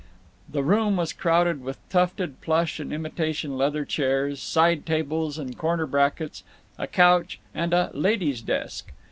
The room was crowded with tufted plush and imitation leather chairs, side tables and corner brackets, a couch and a "lady's desk."